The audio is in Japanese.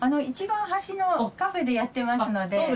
一番端のカフェでやってますので。